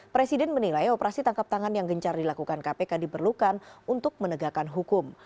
presiden menilai operasi tangkap tangan yang gencar dilakukan kpk diperlukan untuk menegakkan hukum